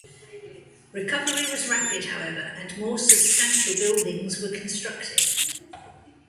Recovery was rapid, however, and more substantial buildings were constructed.